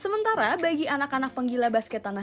sementara bagi anak anak penggila bahasa indonesia